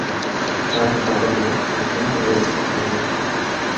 তাঁর বাবা-মা এখনো ওয়েলসে থাকেন।